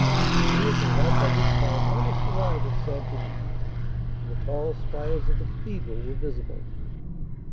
The vehicle had by this time almost arrived at St. Denis, and the tall spires of the cathedral were visible.